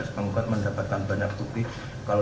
penggugat mendapatkan banyak bukti